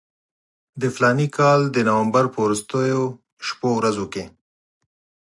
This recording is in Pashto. د فلاني کال د نومبر په وروستیو شپو ورځو کې.